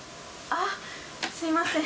あっ、すみません。